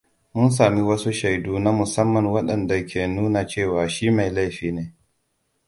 Mun sami wasu shaidu na musamman waɗanda ke nuna cewa shi mai laifi ne.